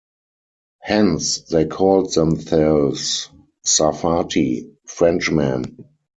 Hence they called themselves Sarfati: Frenchman.